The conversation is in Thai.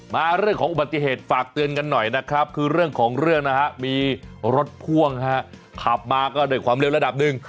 เรื่องของอุบัติเหตุฝากเตือนกันหน่อยนะครับคือเรื่องของเรื่องนะฮะมีรถพ่วงฮะขับมาก็ด้วยความเร็วระดับหนึ่ง